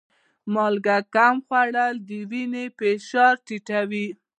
مالګه کم خوړل د وینې فشار ټیټوي.